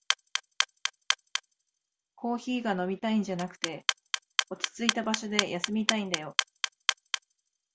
コーヒーが飲みたいんじゃなくて、落ちついた場所で休みたいんだよ